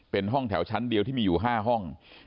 เป็นห้องแถวชั้นเดียวที่มีอยู่๕ห้อง